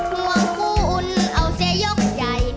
ห่วงผู้อุ่นเอาเสียยกใจ